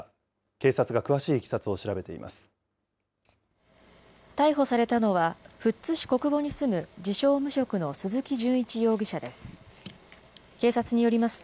警察が詳しいいきさつを調べています。